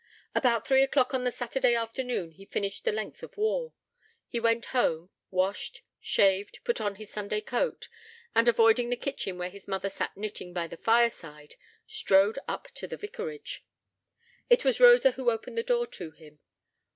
About three o'clock on the Saturday afternoon he finished the length of wall. He went home, washed, shaved, put on his Sunday coat; and, avoiding the kitchen, where his mother sat knitting by the fireside, strode up to the vicarage. It was Rosa who opened the door to him.